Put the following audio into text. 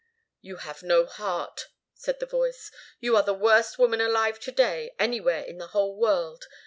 "You have no heart," said the voice. "You are the worst woman alive to day, anywhere in the whole world.